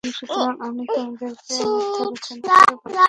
সুতরাং তুমি তাদেরকে ও তাদের মিথ্যা রচনাকে বর্জন কর।